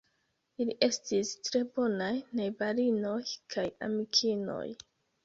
Ili estis tre bonaj najbarinoj kaj amikinoj.